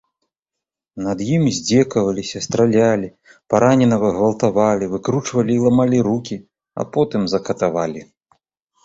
Над ім здзекаваліся, стралялі, параненага гвалтавалі, выкручвалі і ламалі рукі, а потым закатавалі.